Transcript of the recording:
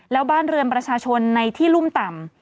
แล้วบ้านเรือนประชาชนในที่รุ่มต่ำ